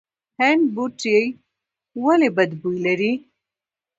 هنګ بوټی ولې بد بوی لري؟